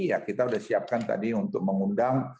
ya kita sudah siapkan tadi untuk mengundang